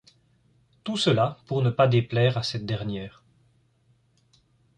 Tout cela pour ne pas déplaire à cette dernière.